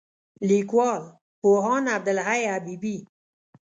لیکوال: پوهاند عبدالحی حبیبي